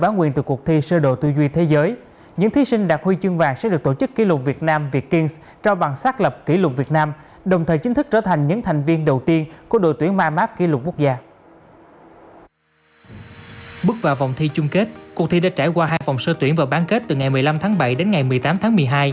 bước vào cuộc thi chung kết cuộc thi đã trải qua hai vòng sơ tuyển vào bán kết từ ngày một mươi năm tháng bảy đến ngày một mươi tám tháng một mươi hai